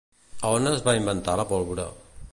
A on es va inventar la pólvora?